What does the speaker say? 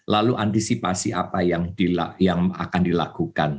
lalu antisipasi apa yang akan dilakukan